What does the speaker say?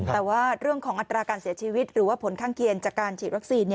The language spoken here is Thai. แต่ว่าเรื่องของอัตราการเสียชีวิตหรือว่าผลข้างเคียงจากการฉีดวัคซีน